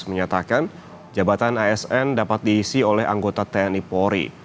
menyatakan jabatan asn dapat diisi oleh anggota tni polri